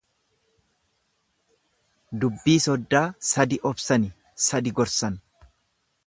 Dubbii soddaa sadi obsani sadi gorsan.